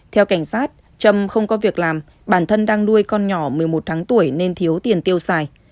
theo cảnh sát trâm không có việc làm bản thân đang nuôi con nhỏ một mươi một tháng tuổi nên thiếu tiền tiêu xài